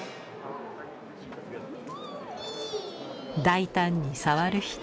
大胆に触る人。